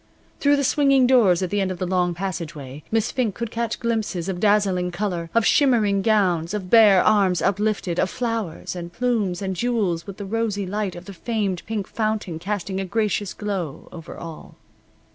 Through the swinging doors at the end of the long passageway Miss Fink could catch glimpses of dazzling color, of shimmering gowns, of bare arms uplifted, of flowers, and plumes, and jewels, with the rosy light of the famed pink fountain casting a gracious glow over all.